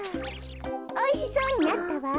おいしそうになったわ。